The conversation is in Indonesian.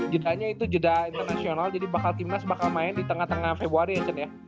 jedanya itu jeda internasional jadi bakal timnas bakal main di tengah tengah februari action ya